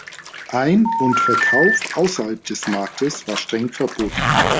Ein- und Verkauf außerhalb des Marktes war streng verboten.